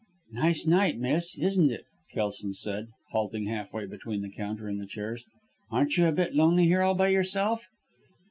"Nice night, miss, isn't it?" Kelson said, halting half way between the counter and the chairs. "Aren't you a bit lonely here all by yourself?"